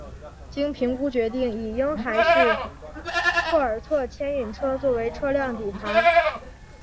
经评估决定以婴孩式霍尔特牵引车作为车辆底盘。